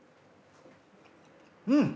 うん！